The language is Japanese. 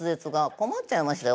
困っちゃいましたよ